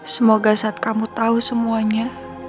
semoga saat kamu tahu semuanya